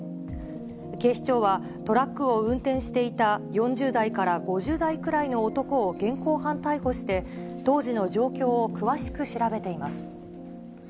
警視庁は、トラックを運転していた４０代から５０代くらいの男を現行犯逮捕して、当時の状況を詳しく調べています。